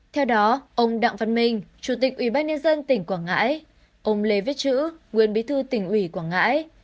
theo đó ông đặng văn minh chủ tịch ubnd tỉnh quảng ngãi ông lê viết chữ nguyên bí thư tỉnh ủy quảng ngãi